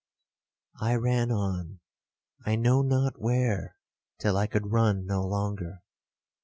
'I ran on, I know not where, till I could run no longer.